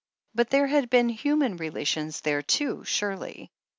But there had been htmian relations there too, surely.